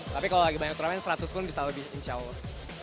tapi kalau lagi banyak turnamen seratus pun bisa lebih insya allah